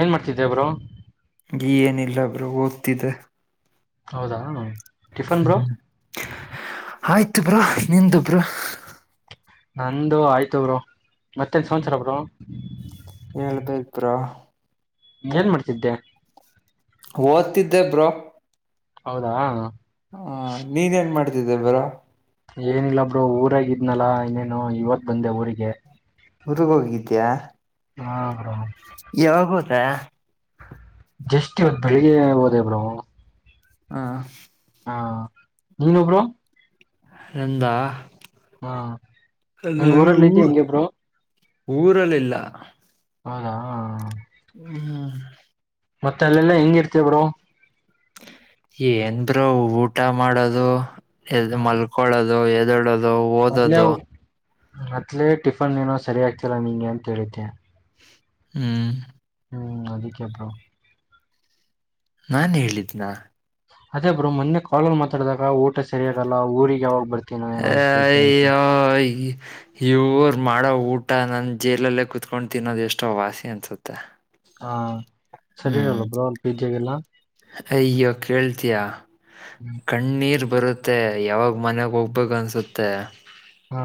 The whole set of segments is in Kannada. ಏನ್ ಮಾಡ್ತಿದ್ದೆಬ್ರು ಏನಿಲ್ಲ ಒಬ್ರು ಓದ್ತಿದ್ದ ಹೌದಾ ನು ಹ್ಮ ಆಯ್ತು ಬ್ರಾ ನಿಂದು ಬ್ರಾ ನಂದು ಆಯ್ತುಬ್ರು ಮತ್ತೆನ್ ಸಂಸರಬ್ರು ಹೇಳ್ಬೇಕ ಬ್ರೋ ಏನ್ ಮಾಡ್ತಿದ್ದೆ ಓದ್ತಿದ್ದೆಬ್ರೋ ಹೌದಾ ಹ ನೀನ್ೇನ್ ಮಾಡ್ತಿದ್ದೆ ಬರ ಏನಿಲ್ಲಬ್್ರರು ಊರಾಗಿದ್ನಲ್ಲಾ ಇನ್ನೇನು ಇವತ್ ಬಂದೆ ಊರಿಗೆ ಹುರ್ಗ ಹೋಗಿದ್ಯಾ ಹ್ರ ಅ ಜಸ್ಟ್ ಇವತ್ತು ಬೆಳಿಗ್ಗೆ ಹೋದೆೇ ಬ್ರೋ ಹಾ ಹಾ ನೀನು ಒಬರು ನಂದಾ ಹಾ ನಂಗ ಊರಲ್ಲಿಲ್ಲಿೈತೆ ಹೆಂಗ ಬ್ರೋ ಊರಲಿಲ್ಲ ಹೌದಾ ಹ್ಮ್ ಮತ್ತೆ ಅಲ್ಲೆಲ್ಲಾ ಹೆಂಗ ಇರ್ತೇ ಬರುೋ ಏನ್ರು ಊಟ ಮಾಡೋದು ಎದ ಹ್ಮ್ ಮಲ್ಕಳದು ಎ ಒದಡದು ಓದದು ಮತ್ತಲೇ ಟಿಫನ್ ಏನೋ ಸರಿ ಆಗ್ತಿಲ್ಲ ನಿಂಗೆ ಅಂತ ಹೇಳಿದ್ದೆ ಹ್ಮ್ ಹ್ಮ್ ಅದಕ್ಕೆಪ ನಾನ್ ಹೇಳಿದ್ನ ಅದೇ ಬ್ರ ಮೊೆ ಕಳಲ್ ಮಾತಾಡಿದಾಗ ಊಟ ಸರಿಯಾಗಲ್ಲ ಊರಿಗೆ ಯಾವಾಗ್ ಬರ್ತ ಐ ಯ್ ಯೂರ್ ಮಾಡಡ ಊಟ್ಟ ಊಟ ನಾನನ್ ಜೇಲಲ್ಲೇ ಕುತ್ಕೊಂಡು ತಿನ್ನೋದು ಎಷ್ಟೋ ವಾಸಿ ಅನ್ಸುತ್ತೆ ಹಾ ಹ್ಮ್ ಸರಿರಲ್ಲ ಬ್ರಲ್ ಪಿಜಜಾಗಲ್ಲ ಅಯ್ಯೋ ಕೇಳ್ತಯಾ ಕಣ್ಣೀರ್ ಬರುತ್ತೆ ಯಾವಾಗ ಮನೆಗೆ ಹೋಗ್ಬೇಕು ಅನ್ಸುತ್ತೆ ಹಾ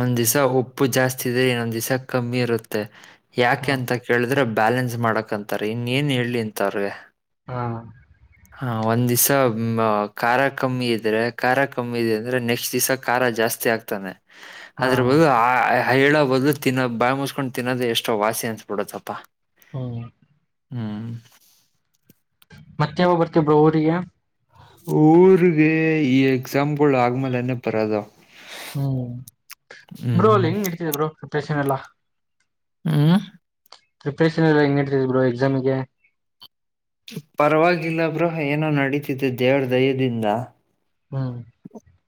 ಒಂದ್ ದಿವ್ ಉಪ್ಪು ಜಾಸ್ತಿ ಇದ್ರೆ ಇನ್ನೊಂದ್ ದಿವಸ ಕಮ್ಮಿ ಇರುತ್ತೆ ಯಾಕೆ ಹಾ ಅಂತ ಕೇಳಿದ್ರೆ ಬ್ಯಾಲೆನ್ಸ್ ಮಾಡಕಂತಾರೆ ಇನ್ನ ಏನ್ ಹೇಳಲಿ ಅಂತ ಅವ್ರಿಗೆ ಹಾ ಹಾ ಒಂದ್ ದಿವಸ ಖಾರ ಕಮ್ಮಿ ಇದ್ರೆ ಖಾರ ಕಮ್ಮಿ ಇದೆ ಅಂದ್ರೆ ನೆಕ್ಸ್ಟ್ ದಿವಸ ಖಾರ ಜಾಸ್ತಿ ಜಾಸ್ತಿ ಆಗ್ತಾನೆ ಹಾ ಅದ್ರ ಆ ಹೇಳ ಬದ್ಲು ತಿನ್ನ ಬಾಯಿ ಮುಸ್ಕೊಂಡು ತಿನ್ನೋದ ಎಷ್ಟೋ ವಾಸಿ ಅನ್ಸ್ಬಿಡತ್ತಪ್ಪಾ ಹ್ಮ ಹ್ಮ್. ಮತ್ತ ಯಾವಾಗ ಬರ್ತೀಯಾ ಬ್ರೋ ಊರಿಗೆ. ಊರಿ ಗೆ ಈಗ. ಸೇಮ್ ಗೋಳ ಆದ ಮೇಲ ಏನಕ ಬರೋದು ಹ್ಮ್ ಹ್ಮ್ಮ್. ಎನ್ ಇಲ್ಲ. ಹ್ಮ. ಪ್ರಿಪರೇಷನ್ ಎಲ್ಲ ಹೆಂಗ ನಡಿತಯ್ತೀ ಎಕ್ಸಾಮಗೆ. ಪರವಾಗಿಲ್ಲ ಬ್ರೋ ಏನೋ ನಡೀತಿದೆ ದೇವರ ದಯದಿಂದ. ಹ್ಮ್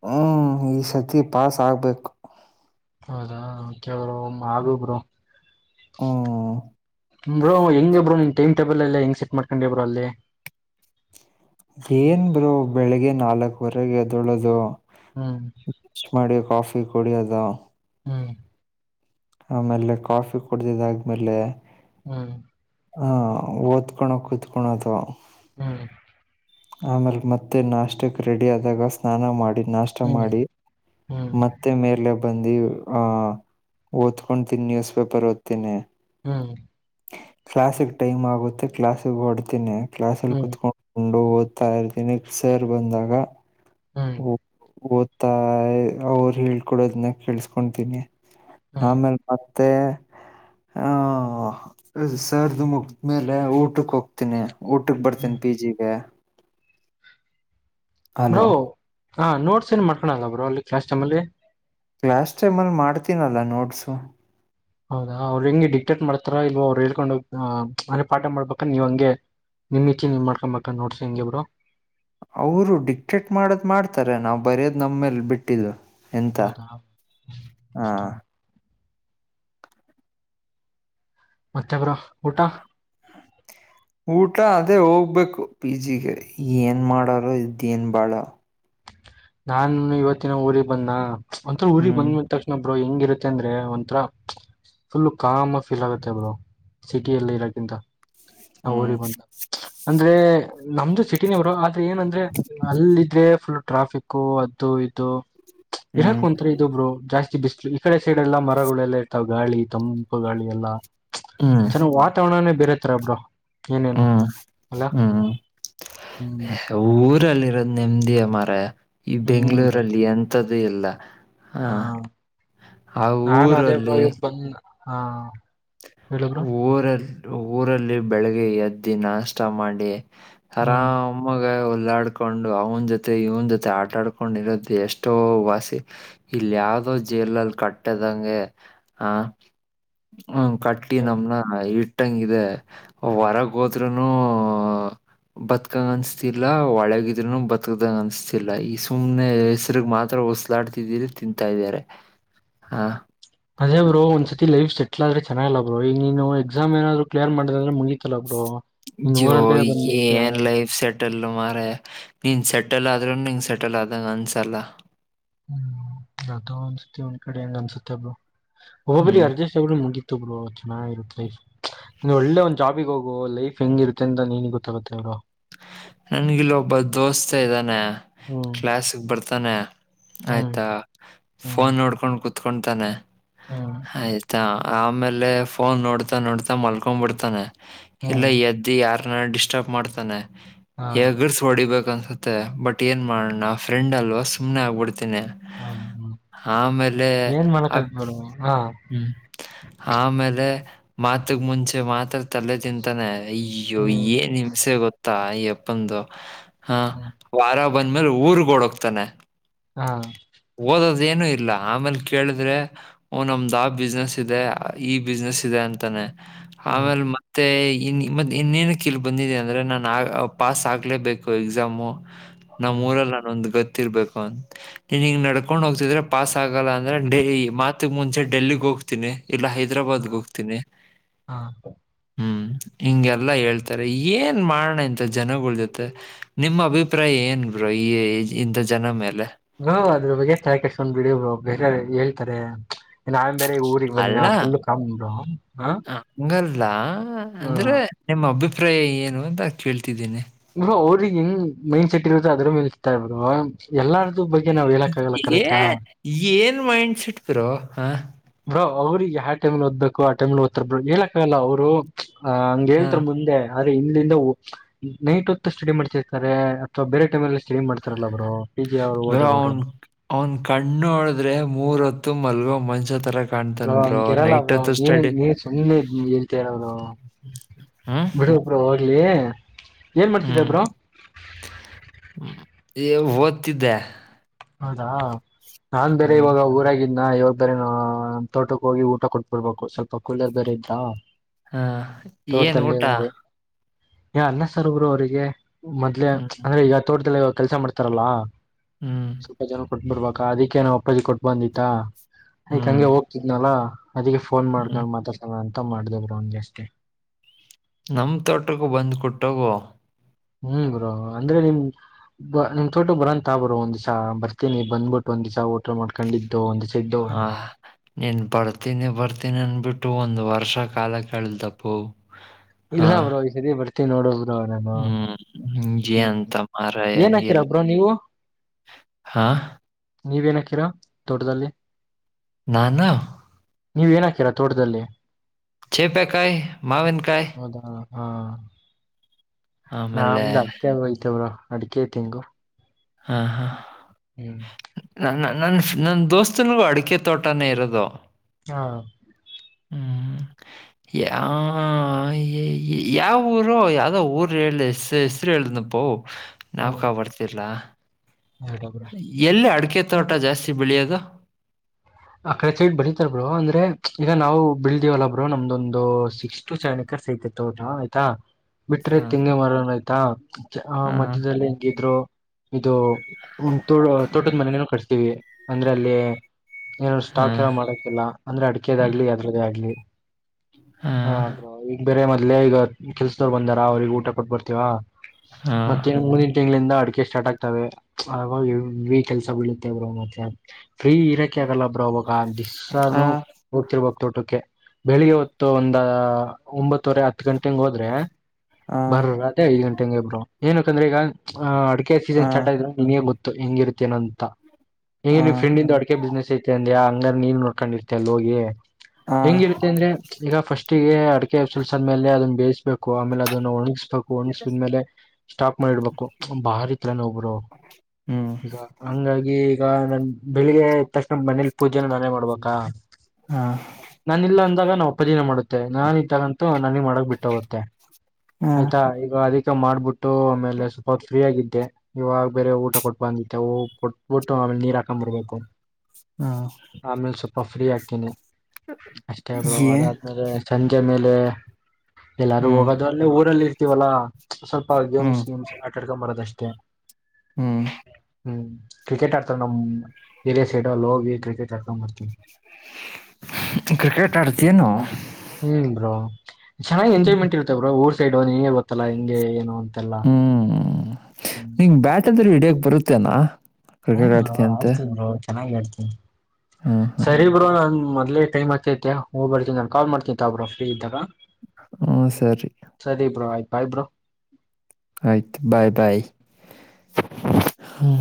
ಹ್ಮ್ ಈ ಸತಿ ಪಾಸ್ ಆಗ್ಬೇಕು. ಹೌದಾ ಓಕೆ ಬ್ರೋ ಒಮ್ಮೀ ಆಗಿ ಬ್ರೋ. ಹ್ಮ್ ಬ್ರೋ ಹೆಂಗ ಬ್ರೋ ನಿನ್ ಟೈಮ್ ಟೇಬಲ್ ಎಲ್ಲ ಹೆಂಗ ಸೆಟ್ ಮಾಡ್ಕೊಂಡಿಯ ಬ್ರೋ ಅಲ್ಲಿ. ಏನ್ ಬ್ರೋ ಬೆಳಿಗ್ಗೆ ನಾಲ್ಕವರೆಗೆ ಎದ ಏಳೋದು. ಹ್ಮ. ಟೀ ಕುಡಿಯೋದಾ. ಹ್ಮ್. ಆಮೇಲೆ ಕಾಫಿ ಕುಡ್ದಿದ ಆದ್ಮೇಲೆ. ಹ್ಮ. ಹಾ ಓದಕೋಣ ಕುೂತ್ಕೊಣದು. ಹ್ಮ್. ಆಮೇಲ್ ಮತ್ತೆ ನಾಷ್ಟಕ್ ರೆಡಿ ಆದಾಗ ಸ್ನಾನ ಮಾಡಿ. ನಾಷ್ಟ ಹ್ಮ್ ಮಾಡಿ ಹ್ಮ್ ಮತ್ತೆ ಮೇಲೆ. ಬಂದಿ ಆ ಓದ್ಕೊತೀನಿ ನ್ಯೂಸ್ ಪೇಪರ್ ಓದ್ತೀನಿ. ಹ್ಮ್. ಕ್ಲಾಸ್ ಸಿಗ ಟೈಮ್ ಆಗುತ್ತೆ ಕ್ಲಾಸ್ ಸಿ ಗ ಹೊಡ್ತೀನನೆ ಕ್ಲಾಸ್ಲ್ಲಿ ಹ್ಮ್ ಕುೂತ್ಕೊಂಡು ಓದ. ತಾ ಇರ್ತೀನಿ ಸರ್ ಬಂದಾಗ ಹ್ಮ್ ಓ ಓದ. ತ್ತ ಅವರು ಹೇಳ್ಕೊಡೋದನ್ನ ಕೇಳಸ್ಕೊತೀನಿ ಹ್ಮ್ ಆಮೇಲ್. [unintelligible] ಮತ್ತೆ ಹ. ಹ ಹ ಸರ್ ದು ಮುಗಿದ್ಮೇಲೆ ಊಟಕ್ಕ ಹೋಗ್ತೀನಿ. ಊಟಕ್ಕ ಹ್ಮ್ ಬರ್ತೇನಿ ಪಿ ಜಿ ಗೆ. ಬ್ರೋ ಹಲೋ ಹ ನೋಟ್ಸ್ ಏನ್ ಮಾಡ್ಕೋಳಲ್ಲ ಬ್ರೋ ಅಲ್ಲಿ ಕ್ಲಾಸ್ ಟೈಮ್ ಅಲ್ಲಿ. ಕ್ಲಾಸ್ ಟೈಮಲ್ಲಿ ಮಾಡ್ತೀನಲ್ಲ ನೋಟ್ಸು. ಹೌದಾ ಅವ್ರ ಹೆಂಗಗೆ ಡಿಕ್ಟೇಟ್ ಮಾಡ್ತಾರ ಇಲ್ವಾ ಅವ್ರು ಹೇಳ್ಕೊಂಡೋಗ ಅನೇ ಪಾಠ ಮಾಡ್ಬೇಕಂದ ನೀವ ಹಂಗೆ. ನಿಮ್ ಇಚೆ ನೀನ ಮಾಡ್ಕೊಂಬಬೇಕ ನೋಡ್ಸಿ ಹೆಂಗೆ ಬ್ರೋ. ಅವರು ಡಿಕ್ಟೆಟ್ ಮಾಡದ್ ಮಾಡ್ತಾರೆ ನಾವು ಬರ್ಯೋದ್ ನಮ್ಮ ಮೇಲ್ ಬಿಟ್ಟಿದ್ದು. ಎಂತ ಹೌದ. ಹ [unintelligible] ಮತ್ತೆ ಬ್ರೋ ಊಟ. ಊಟ ಅದೇ ಹೋಗ್ಬೇಕು ಪಿ ಜಿ ಗೆ ಹ್ಮ್ ಏನು ಮಾಡೊರ ಇದದೇನ ಬಾಳೊ. ನಾನು ಇವತ್ತಿನ ಊರಿಗೆ ಬಂದನಾ ಒಂಥ ಊರಿಗೆ ಹ್ಮ್ ಬಂದ ತಕ್ಷಣ. ಬ್ರೋ ಹೆಂಗಿ ಇರುತ್ತ ಅಂದ್ರೆ ಒಂಥರ. ಫುಲ್ಲು ಕಾಮ ಫೀಲ್ ಆಗತ್ತೆ ಬ್ರೋ ಸಿಟಿ ಅಲ್ಲಿ ಇರೋಕ್ಕಿಂತ. ಹ ಹ್ಮ್ ಊರಿ ಬಂತ ಅಂದ್ರೆ ನಮ್ದು ಸಿಟಿ ನೆ ಬ್ರೋ ಆ ಮತ್ತೆ ಏನಂದ್ರೆ ಅಲ್ಲ ಇದ್ರೆ ಫುಲ್ ಟ್ರಾಫಿಕ್ ಅದು ಇದು. ಯಾಕ್ ಹ್ಮ್ ಒಂತರ ಇದು ಬ್ರೋ ಜಾಸ್ತಿ ಬಿಸ್. ಈ ಕಡೆ ಸೈಡೆಲ್ಲ ಮರಗಳೆಲ್ಲ ಇರ್ತಾವ ಗಾಳಿ ತಂಪು ಗಾಳಿ ಎಲ್ಲಾ. ಹ್ಮ್ ಚಲೋ ವಾತಾವರಣನೇ ಬೇರೆ ತರ ಬ್ರೋ. ಏನೇನು ಹ್ಮ್ ಅಲ್ಲ ಹ್ಮ್. ಹ್ಮ್ [unintelligible] ಊರ ಅಲ್ಲಿ ಇರೋದ ನೆಮ್ಮದಿಯ ಮಾರಾಯ. ಈ ಹ್ಮ್ ಬ್ರೋ ಬೆಂಗ್ಗಳೂರಲ್ಲಿ ಎಂತದ್ದು ಇಲ್ಲ ಹ. ಹಾ ಆ ನಾನು ಅದೇ ಬ್ರೋ ಊರಲ್ಲಿ. ಇವತ್ ಬಂದ್ ಹಾ ಹೇಳು ಬ್ರೋ ಊರ ಊರಲ್ಲಿ ಬೆಳಗ್ಗೆ ಎದ್ದಿ ನಾಷ್ಟ ಮಾಡಿ ಹರಾ ಹ್ಮ್ ಅಮ್ಮಗೆ ಒ ಆಾಡ್ಕೊಂಡು ಅವನ ಜೊತೆ ಇವನ್ ಜೊತೆ ಆಟ ಆಡ್ಕೊಂಡ ಇರೋದು ಎಷ್ಟೋ ವಾಸೆ ಇಲ್ಲಿ ಯಾವ ಅ ಜೇರ್ಲಾಲ್ ಕಟ್ಟದಂಗೆ ಹ ಹ ಹ್ಮ ಕಟ್ಟಿ ನಮ್ನ ಇ ಬಿಟ್ಟಂಗ ಇದೆ ಹೊರಗೆ ಹೋದರುನು ಬತ್ಕಂಗ ಅನ್ಸ್ತಿಲ್ಲ ಒಳಗಿದ್ರುನು ಬತ್ಕದಂಗ ಅನ್ಸ್ತಿಲ್ಲ ಈ ಸುಮ್ನೆ ಹೆಸರುಗ್ ಮಾತ್ರ ಉಸಲಾಡ್ತಿದ್ದೀರಿ ತಿಂತಾ ಇದಾರೆ ಹಾ ಅದೇ ಬ್ರೋ ಒಂದ್ ಸತಿ ಲೈಫ್ ಸೆಟಲ್ ಆದ್ರೆ ಚೆನ್ನ್ಲ್ಲ ಬ್ರೋ ಈಗ ನೀನು ಎಕ್ಸಾಮ್ ಏನಾದ್ರು ಕ್ಲಿಯರ್ ಮಾಡ ಅ್ರೆ ಮುಗ ಜೋ ಯ ಎನ್ ಲೈಫ ಸೆಟ್ ಮ್ರ ನೀನ್ ಸೆಟಲ್ ಆದರು ಸಟಲ್ ಆದಂಗ ಅನ್ಸರ್ಲ್ಲ ಹ್ಮ್ ಅದು ಅನ್ಸತಿ ಒಂದ್ ಕಡೆ ಹೆಂಗ್ ಅನ್ಸುತ್ತೆ ಒಬ್ರು ಹೋಗಬಬ್ರಿ ಹ್ಮ್ ಅರ್ಜಸ್ಒಬ್ ಮುಗಿ ಚೆನ್ನಾಗಿರು ಲೈಫ್ ಒಳ್ಳೆ ಒಂದ್ ಜಾಬಿಗೆ ಹೋಗು ಲೈಫ್ ಹೆಂಗಿರುತ್ತೆ ಅಂತ ನೀನಿಗೆ ಗೊತ್ತಾಗುತ್ತೆ ಅವತು ಹ ನನ್ಗಿಲ್ಲಿ ಒಬ್ಬ ದೋಸ್ತ ಇದ್ದಾನೆ ಹ್ಮ್ ಕ್ಲಾಸ್ಗ್ ಬರ್ತಾನೆ ಹ್ಮ್ ಆಯ್ತಾ ಹ್ಮ್ ಫೋನ್ ನೋಡ್ಕೊಂಡ್ ಕುತ್ಕೊತಾನೆ ಹ್ಮ್ ಆಯ್ತಾ ಆಮೇಲೆ ಫೋನ್ ನೋಡ್ತಾ ನೋಡ್ತಾ ಮಲ್ಕೊಂಡ್ ಬಿಡ್ತಾನೆ ಇಲ್ಲ ಹ್ಮ್ ಎದ್ದಿ ಯಾರ ಡಿಸ್ಟರ್ಬ್ ಮಾಡ್ತಾನೆ ಹಾ ಯಗರ್ಸ್ ಹೊಡಿಬೇಕಂತ ಮತ್ತೆ ಬಟ್ ಏನ್ ಮಾಡಣ ಫ್ರೆಂಡ್ ಅಲ್ವಾ ಸುಮ್ಮ್ನೆ ಆಗ್ಬಿಡ್ತೀನಿ ಹಾ ಹ್ಮ್ ಆಮೇಲೆ ಏನ್ ಮಾಡಕ್ಕಾಗತ್ ಬ್ರೋ ಹಾ ಹ್ಮ್ ಆಮೇಲೆ ಮಾತಗ್ ಮುಂಚೆ ಮಾತ್ರ ತಲೆೆ ತಿಂತಾನೆ ಅಯ್ಯೋ ಹ್ಮ್ ಏನ್ ಹಿಂಮ್ಸೆ ಗೊತ್ತಾ ಅಯ್ಯಪ್ಪ ಬಂದು ಹ ಹ್ಮ್ ವಾರ ಬಂದ್ಮೇಲೆ ಊರ್ ಓಡೋಹೋಗ್ತಾನೆ ಹಾ ಅದೇನು ಇಲ್ಲ ಆಮೇಲೆ ಕೇಳಿದ್ರೆ ಓನ್ ನಮ್ದ ಆ ಬಿಸ್ನೆಸ್ ಇದೆ ಈ ಬಿಸ್ನೆಸ್ ಇದೆ ಅಂತಾನೆ ಹ್ಮ್ ಆಮೇಲೆ ಮತ್ತೆ ಇ ಮ ಇನ್ನೇನು ಕಿಲ್ ಬಂದಿದೆ ಅಂದರೆ ನಾನು ಆ ಪಾಸ್ ಆಗಲೇಬೇಕು ಎಕ್ಸಾಮು ನಮ್ಮ ಹ್ಮ್ ಊರಲ್ಲ ನಾನೊಂದ ಗೊತ್ತಿರ್ಬೇಕು ಅಂತ ನೀನು ಹಿಗೆ ನಡ್ಕೊಂಡು ಹೋಗ್ತಿದ್ರೆ ಪಾಸ್ ಆಗಲ್ಲ ಅಂದರೆ ಡೆ ಮಾತಗೆ ಮುಂಚೆ ಡೆಲ್ಲಿಗೆ ಹೋಗ್ತೀನಿ ಇಲ್ಲ ಹಾ ಹೈದ್ರಾಬಾದ್ಗೆ ಹೋಗ್ತೀನಿ ಹಾ ಹ್ಮ್ ಹಿಂಗೆಲ್ಲಾ ಹೇಳ್ತಾರೆ ಏನ್ ಮಾಡಣಂತ ಜನಗಳ ಜೊತೆ ನಿಮ್ಮ ಅಭಿಪ್ರಾಯ ಏನ್ ಬ್ರೋ ಈ ಇಂತ ಜನ ಮೇಲೆ ಹ್ಮ ಅದ್ರ ಬಗ್ಗೆ ತಕಷ್ಟ ಒಂದ್ ಬಿಡಿ ಬೇರೆ ಹೇಳ್ತಾರೆ ಮೇ ಊರಿಗೆಗೆ ಬಿ ನಾ ಅಲ್ಲ ಫುಲ್ ಕಾಮ್ ಬಿಡ ಹ ಅಲ್ಲಾ ಅಂದ್ರೆ ನಿಮ್ಮ ಅಭಿಪ್ರಾಯ ಏನು ಅಂತ ಕೇಳ್ತಿದ್ದೀನಿ ಬ್ರೋ ಅವ್ರಿಗೆ ಏನ್ ಮೈಂಡ್ ಸೆಟ್ ಇರುತ್ತೆ ಅದ್ರ ಮೇಲ್ತಾ ಬ ಎಲ್ಲ್ ಅ ಬಗ್ಗೆ ನಾವ್ ಹೇಳಕ್ ಆಗಲ್ಲ ಏ ಕರೆಕ್ಟಾ ಏನ್ ಮೈಂಡ್ ಸೆಟ್ ಬ್ರೋ ಹಾ ಬ್ರೋ ಅವ್ರಿಗೆ ಯಾವ ಟೈಮ್ ಓದ್ಬೇಕು ಆ ಟೈಮ್ ಓದ್ತಾರ ಬ್ರೋ ಹೇಳಕ್ಕ ಆಗಲ್ಲ ಅವ್ರು ಹ ಹಂಗೆ ಹಾ. ಹೇಳ್ತರಿ ಮುಂದೆ ಆದ್ರೆ ಹಿಂದಿದ ನೈಟ್ ಹೊತ್ತು ಸ್ಟಡಿ ಮಾಡ್ತಿರ್ತಾರೆ ಅಥವಾ ಬೇರೆ ಟೈಮಲಿ ಬರ ಅವನ್ ಅವನ್ ಕಣ್ಣು ನೋಡಿದ್ರೆ ಮೂರ ಹೊತ್ತು ಮಲಗು ಮಂಚ ಅರೋಗೆರಲ್ಲ ಬರೋ ನೀನು ನೀನು ಸಂದೆ ಹಳ್ತೇರರ ಹ್ಮ್ ಬಿಡುಬ್ರ ಹೋಗ್ಲಿ ಏನ್ ಮಾಡ್ತಿದ್ದ ಹ್ಮ್ ಬ್ರೋ ಓದ್ತ್ದೆ ಹೌದಾ ನಾನ್ ಬೇರೆ ಇವಾಗ ಊರಾಗಿದ್ದ ಇ ಯಾವಾಗ ಬರ ನ ತೋಟಕ್ಕೆ ಹೋಗಿ ಊಟ ಕೊಟ್ಬಿಡ್ಬೇಕು ಸ್ವಲ್ಪ ಕುಲರ್ ಬರೆ ಇದ್ದಾ ಹಾ ಏನ್ ಊಟ ಯ ಅನ್ನಸಾರ್ ಒಬ್ರು ಅವ್ರಿಗೆ ಮೊದ್ಲೆ ಹ್ಮ್ ಅಂದ್ರೆ ಈಗ ತೋಟದಲ್ಲಿ ಕೆಲ್ಸ ಮಾಡ್ತಾರಲ್ಲ ಹ್ಮ್ ಸ್ವಲ್ಪ ಜನ ಕೊಟ್ ಬಿಡ್ಬ ಅದಕೆ ನಮ್ಮ ಅಪ್ಪಾಜಿ ಕೊಟ್ ಬಂದಿತ್ತ ಆದಕ್ ಹ್ಮ್ ಹಂಗೆ ಹೋಗ್ತಿದ್ನಲ್ಲಾ ಅದಕ್ಕೆ ಫೋನ್ ಹ್ಮ್ ಮಾಡ್ಕೊಂಡು ಮಾತಾಡ್ತಾನ ಅಂತ ಮಾಡ್ದವ್ರ ಅವನ್ ಜಾಸ್ತಿ ನಮ ತೋಟಕ್ಕೂ ಬಂದ್ ಕೊಟ್ಟೋಗೋ ಹ್ಮ್ ಬ್ರೋ ಅಂದ್ರೆ ನಿಮ ನಿಮ್ ತೋಟ ಬರಂತ ಬರು ಒಂದ ದಿವ್ಸ ಬರ್ತೇನ ಬಂದಬಿಟ್ಟು ಒಂದ್ ದ್ಸ ಊಟಲ್ ಮಾಡ್ಕೊಂಡಿದ್ದು ಒಂದ ದಿವಸ ಹ ನೀನ್ ಬರ್ತೀನಿ ಬರ್ತೀನಿ ಅನ್ಬಿಟ್ಟು ಒಟ್ಟು ಒಂದು ವರ್ಷ ಕಾಲ ಕಾಲಕಳದಪ್ಪು ಇಲ್ಲ ಬ್ರೋ ಈ ಸಾಲಿ ಬರ್ತೀವಿ ನೋಡ ಬ್ರ ನಾನು ಹ್ಮ್ ಹಿಂಗೆ ಹ್ಮ್ ಅಂತ ಮಾರಾಯ ಏನ್ ನೀ ಎಲ್ ಹಾಕೀರಾಬ್ರ ನೀವು ಹಾ ನೀವೇನ ಹಕೀರಾ ತೋಟದಲ್ಲಿ ನಾನ ನೀವ್ ಏನ್ ಹಾಕೀರ ತೋಟದಲ್ಲಿ ಚೆಪೆ ಕಾಯ್ ಮಾವನ್ ಕಾಯ ಹ್ಮ ಆಮೇಲೆ ನಮ್ದ್ ಅಡ್ಕ ಹೋಯ್ತವ್ರ ಅಡ್ಕೆತಿಂಗು ಹಾ ಹಾ ಹ್ಮ್ ನನ್ನ ನನ್ನ ದೋಸ್ತನಿಗೂ ಅಡಿಕೆ ತೋಟನೇ ಇರೋದು ಹಾ ಆ ಯಾವ ಊರು ಯಾವ್ದೋ ಊರು ಹೇಳ ಹೆಸರು ಹೇಳ ಇಪ್ಪೋ ಹ್ಮ್ ನಾವುಕ ಬರ್ತಿರ್ಲ ಎರಡು ಎಲ್ಲಿ ಅಡಕೆ ಬ್ರೋ. ತೋಟ ಜಾಸ್ತಿ ಬೆಳಿಯಾಗ ಆ ಕಡೆ ಚೈಟ್ ಬರತಾರ ಬೋ ಅಂದ್ರೆ ಈಗ ನಾವು ಬಿಳದಿವವಲ್ಲ ಬ್ರೋ ನಮ್ದೊಂದು ಸಿಕ್ಸ್ ಟು ಸೆವೆನ್ ತ ತೋಟಾ ಆಯ್ತಾ ಬಿಟ್ರೆ ಹ, ತೆಂಗಿ ಮರನ್ ಆಯ್ತಾ ಆ ಹ, ಮಧ್ಯದಲ್ಲಿ ಹೆಂಗಿದ್ರು ಇದು ತೋಟದ ಮನೇನ ಕಟ್ಸತೀವಿ ಅಂದ್ರೆ ಅಲ್ಲಿ ಏನ ಹ, ಸ್ಟಾಕ್ ಎಲ್ಲ ಮಾಡಕಿಲ್ಲಲ್ಲ ಅಂದ್ರೆ ಹ, ಅಡಿಕೆದಾಗಗ್ಲಿ ಅದ್ರದೇ ಆಗ್ಲಿ ಹ ಈಗ ಬೇರೆ ಮೊದ್ಲೆೇ ಈಗ ಕೆಲ್ಸದವರು ಬಂದಾರ ಅವ್ರಿಗೆ ಊಟ ಕೊಟ್ಟ ಬರ್ತೀವಾ ಹ. ಮತ್ತೆ ಮೂಂದಂಟ ತಿಂಗಳಿಂದ ಆ ಸ್ಟಾರ್ಟ್ ಆಗ್ತ ಕೆಲಸ ಬೀಳುತ್ತೆ ಮ ಆಗಲ್ಲ ಬ್ರ ಹಾಗ ಆ ಆ ದಿಸ್ಸಾನೂ ಹೋಗ್ತಿರ್ಬಕ್ ತೋಟಕ್ಕೆ ಬೆಳಿಗ್ಗೆ ಹೊತ್ತು ಒಂದ ಒಂಬತ್ತುವರೆ ಹತ್ ಗಂಟೆಂಗ ಹೋದ್ರೆ ಆ ಬರ್ರ ರತ್ರಿ ಐದು ಗಂಟೆ ಹಂಗೆ ಇಬ್ರು ಏನಕಂದ್ರೆ ಈಗ ಅಹ್ ಅಡಿಕೆ ಆ ಸೀಸನ್ ಸ್ಟಾರ್ಟ್ ಆ್ರ ನಿಂಗೆ ಗೊತ್ತು ಹೆಂಗಿರುತ್ತ ಅಂತ ಆ ಹಗ ಫ್ರೆಂಡಂದು ಅಡಿಕೆ ಬಿಸ್ನೆಸ್ ಐತೆ ಅಂದ್ಯಾಾ ಹಂಗ ನೀ ನೋಡ್ಕೊಂಡಿರ್ತ ಅಲ್ ಹೋಗಿ ಆ ಹೆಂಗಿರುತ್ತೆ ಅಂದ್ರೆ ಈಗ ಫಸ್ಟ್ ಹೇ ಲ್ಸ್ಂದ್ಮೇಲೆ ಅದನ್ನ ಬೇಯಿಸ್ಬೇಕು ಆಮೇಲೆ ಅದನ್ನ ಒಣಗಿಸ್ಬೇಕು ಒಣಗಸಿದ್ಮೇಲೆ ಸ್ಟಾಪ್ ಮಾಡಿಡ್ಬೇಕು ಬಾರ್ ಇತ್ಲಾನ ಒಬ್ರು ಹ್ಮ್ ಈಗ ಹಂಗಾಗಿ ಈಗ ನನ್ ಬೆಳಿಗ್ಗೆ ತಕ್ಷಣ ಮನೇಲಿ ಪೂಜೆನ ನಾನೇ ಮಾಡ್ಬೇಕಾ ಆ ನಾನ ಇಲ್ಲ ಅಂದಾಗ ನಮ್ಮ ಅಪ್ಪಾಜಿ ಮಾಡುತ್ತೆ ನಾನ ಇದ ತಗಂತು ನನಗ್ ಮಾಡಕ್ ಬಿಟ್ಟ ಹೋಗುತ್ತೆ ಆ ಆಯ್ತಾ ಈಗ ಅದಿಕ ಮಾಡ್ಬಿಟ್ಟ ಆಮೇಲೆ ಸ್ವಲ್ಪ ಫೀ ಆಗಿದ್ದ ಇವಾಗ ಬೇರೆ ಊಟ ಕೊಟ್ಟು ಬಂದಿತೆ ಕೊಟ್ಬಟ್ಟು ಆಮೇಲೆ ನೀರ್ ಹಾಕೊಂಡ್ಂಬರ್ಬೇಕು ಆ ಆಮೇಲೆ ಸ್ವಲ್ಪ ಫ್ರೀ ಹಾಕ್ತೀನಿ ಅಷ್ಟೇ ಬೋ ಏ ಅದಾದ್ಮೇಲೆ ಸಂಜೆ ಮೇಲೆ ಎಲ್ಲಾರು ಹ್ಮ್ ಹೋಗೋದವಲ್ಲ ಊರಲ್ಲಿ ಇರ್ತೀವಲ್ಲಾ ಸ್ವಲ್ಪ ಗೇಮ್ಸ್ ಹ್ಮ್ ಗೇಮ್ಸ್ ಆಟಾಡ್ಕೊಂಬಾರೋದ ಅಷ್ಟೇ ಹ್ಮ್ ಹ್ಮ್ ಕ್ರಿಕೆಟ್ ಆಡ್ತಾರೆ ನಮ್ ಏರಿಯಾ ಸೈಡ್ಲ್ಲಿ ಹೋಗಿ ಕ್ರಿಕೆಟ್ ಆಡ್ಕೊಂಡ್ಂಬರ್ತೀನಿ ಕ್ರಿಕೆಟ್ ಆಡ್ತಿಯನು ಹ್ಮ್ ಬ್ರೋ ಚೆನ್ನಾಗ್ ಎಂಜಾಯ್ಮೆಂಟ್ ಇರ್ತೇ್ರೋ ಊರ್ ನೋ ನಿಂಗೆ ಗೊತ್ತಲ್ಲಾ ಹಿಂಗೆ ಏನು ಅಂತೆಲ್ಲ ಹ್ಮ್ ನಿಂಗ ಬ್ಯಾಟ್ ಅಂದ್ರೆ ಹಿಡಿಯಕ್ ಬರುತ್ತೇನಾ ಕ್ರಿಕೆಟ್ ಹ್ಮ ನ ಆಡ್ತೀಯ ಅಂತೆ? ಅಡ್ಕ ಬ್ರೋ ಅವ್ ಚೆನ್ನಾಗ ಆಡ್ತಿ ಹ್ಮ್ ಹ್ಮ್ ಸರಿ ಬ್ರೋ ಮೊದಲ ಟೈಮ್ ಆತೈತೆ ಹೋಗ್ಬರ್ತತಿಿ ನನ್ ಕಾಲ್ ಮಾಡತಿನಿ ತಗ ಬ್ರೋ ಫ್ರೀ ಇದ್ದಾಗ ಹ್ಮ ಸರಿ ಬೈ ಬ್ರೋ ಆಯ್ತು ಬಾಯ್ ಬಾಯ್ ಹ